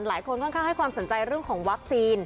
หลายคนค่อนข้างให้ความสนใจเรื่องของวัคซีน